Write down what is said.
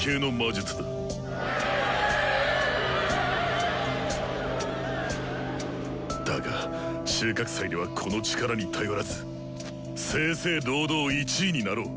心の声だが収穫祭ではこの力に頼らず正々堂々１位になろう！